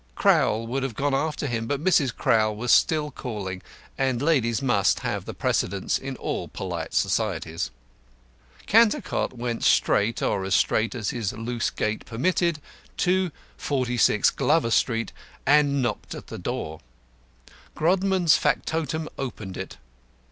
Crowl would have gone after him, but Mrs. Crowl was still calling, and ladies must have the precedence in all polite societies. Cantercot went straight or as straight as his loose gait permitted to 46 Glover Street, and knocked at the door. Grodman's factotum opened it.